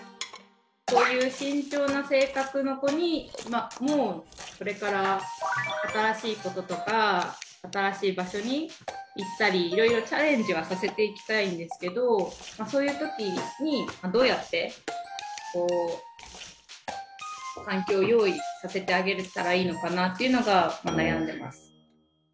こういう慎重な性格の子にもこれから新しいこととか新しい場所に行ったりいろいろチャレンジはさせていきたいんですけどそういう時にどうやって環境を用意させてあげれたらいいのかなっていうのが悩んでます。